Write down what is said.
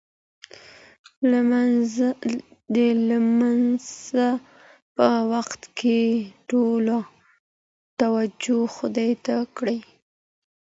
د لمانځه په وخت کې ټوله توجه خدای ته کړئ.